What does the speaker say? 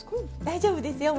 大丈夫ですよ。